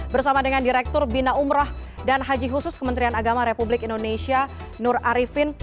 bersama dengan direktur bina umrah dan haji khusus kementerian agama republik indonesia nur arifin